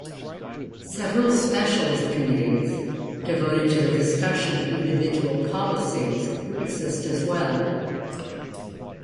Several specialist committees, devoted to the discussion of individual policies exist as well.